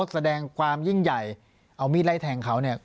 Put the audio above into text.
แสดงความยิ่งใหญ่เอามีดไล่แทงเขาเนี่ย